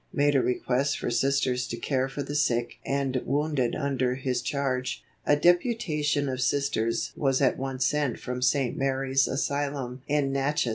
made a request for Sisters to care for the sick and wounded under his charge. A deputation of Sisters was at once sent from St. Mary's Asylum in Natchez.